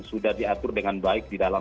sudah diatur dengan baik di dalam